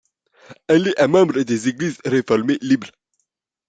Elle est un membre des Églises réformées libres.